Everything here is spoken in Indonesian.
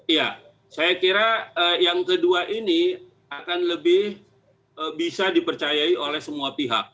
iya saya kira yang kedua ini akan lebih bisa dipercayai oleh semua pihak